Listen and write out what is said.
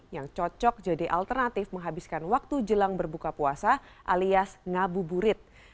yang cocok jadi alternatif menghabiskan waktu jelang berbuka puasa alias ngabuburit